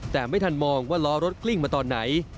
แต่ไม่ทันมองว่าล้อรถกลิ้งมาตอนไหน